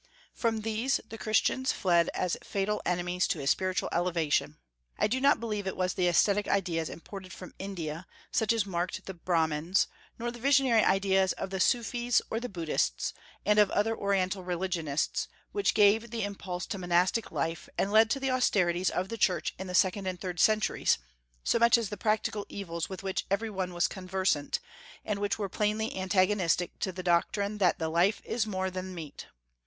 From these the Christian fled as fatal enemies to his spiritual elevation. I do not believe it was the ascetic ideas imported from India, such as marked the Brahmins, nor the visionary ideas of the Sufis and the Buddhists, and of other Oriental religionists, which gave the impulse to monastic life and led to the austerities of the Church in the second and third centuries, so much as the practical evils with which every one was conversant, and which were plainly antagonistic to the doctrine that the life is more than meat.